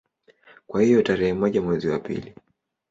Kwa hiyo tarehe moja mwezi wa pili